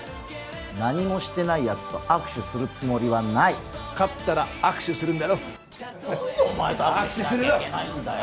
何もしてないヤツと握手するつもりはない勝ったら握手するんだろ何でお前と握手しなきゃいけないんだよ